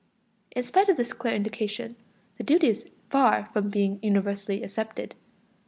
In spite of this clear indication, the duty is far from being universally accepted.